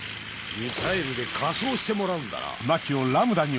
ミサイルで火葬してもらうんだな。